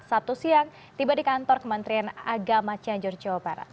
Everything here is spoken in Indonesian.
sabtu siang tiba di kantor kementerian agama cianjur jawa barat